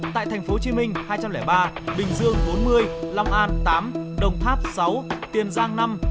tại thành phố hồ chí minh hai trăm linh ba bình dương bốn mươi long an tám đồng tháp sáu tiền giang năm